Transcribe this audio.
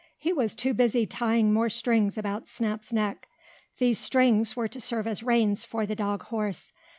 He was too busy tying more strings about Snap's neck. These strings were to serve as reins for the dog horse.